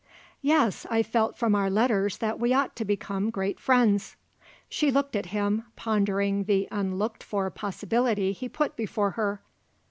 "Yes; I felt from our letters that we ought to become great friends." She looked at him, pondering the unlooked for possibility he put before her.